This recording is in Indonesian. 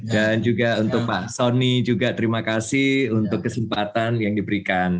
terima kasih juga pak soni untuk kesempatan yang diberikan